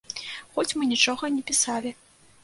Хоць мы нічога не пісалі.